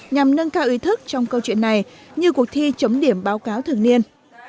nhằm nâng cao ý thức trong câu chuyện này như cuộc thi chấm điểm báo cáo thường niên